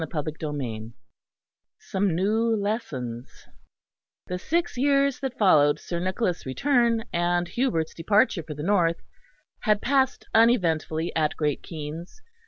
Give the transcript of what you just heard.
CHAPTER II SOME NEW LESSONS The six years that followed Sir Nicholas' return and Hubert's departure for the North had passed uneventfully at Great Keynes.